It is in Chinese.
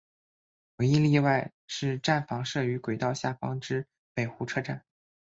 唯一例外是站房设于轨道下方之北湖车站。